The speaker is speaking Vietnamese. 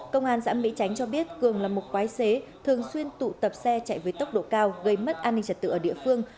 công an xã mỹ tránh cho biết cường là một quái xế thường xuyên tụ tập xe chạy với tốc độ cao gây mất an ninh trật tự ở địa phương